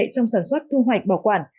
trong sản xuất thu hoạch bảo quản